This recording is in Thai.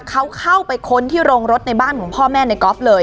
เขาเข้าไปค้นที่โรงรถในบ้านของพ่อแม่ในกอล์ฟเลย